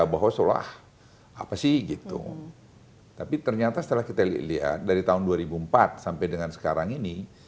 bahwa seolah apa sih gitu tapi ternyata setelah kita lihat dari tahun dua ribu empat sampai dengan sekarang ini